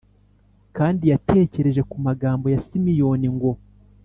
kandi yatekereje ku magambo ya Simiyoni ngo